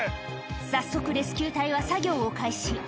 早速レスキュー隊は作業を開始